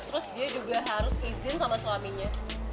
terus dia juga harus izin sama suaminya